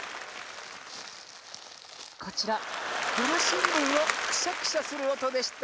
こちらふるしんぶんをクシャクシャするおとでした。